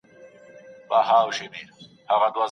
موسیقي مو له یوازیتوب څخه باسي.